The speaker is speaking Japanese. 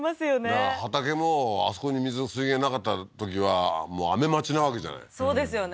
だから畑もあそこに水水源なかったときはもう雨待ちなわけじゃないそうですよね